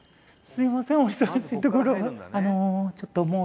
すいません。